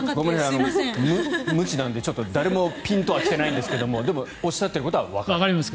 無知なので誰もピンとは来てないですけどでも、おっしゃっていることはわかります。